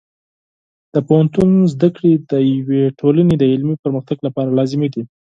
د پوهنتون زده کړې د یوې ټولنې د علمي پرمختګ لپاره لازمي دي.